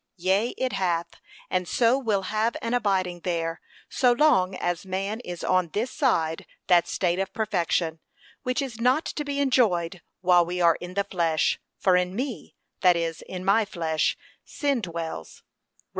Yea, it hath, and so will have an abiding there, so long as man is on this side that state of perfection, which is not to be enjoyed while we are in the flesh: 'for in me, that is, in my flesh,' sin dwells, (Rom.